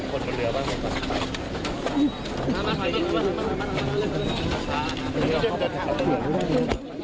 ครับเพราะว่าอ่าแจ้งคุณตำรองตอบมาก็ครับไม่รู้